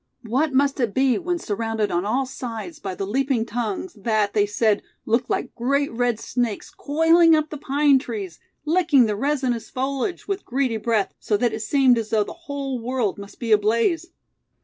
What must it be when surrounded on all sides by the leaping tongues that, they said, looked like great red snakes coiling up the pine trees, licking the resinous foliage with greedy breath, so that it seemed as though the whole world must be ablaze?